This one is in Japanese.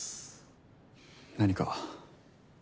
何か？